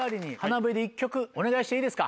お願いしていいですか？